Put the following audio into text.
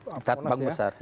kat bang besar